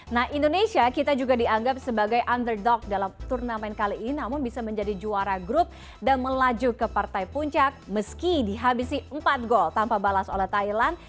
nah indonesia kita juga dianggap sebagai underdog dalam turnamen kali ini namun bisa menjadi juara grup dan melaju ke partai puncak meski dihabisi empat gol tanpa balas oleh thailand